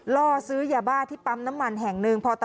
ล่อซื้อยาบ้าที่ปั๊มน้ำมันแห่งหนึ่ง